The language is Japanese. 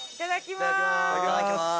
いただきます。